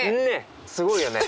すごいよね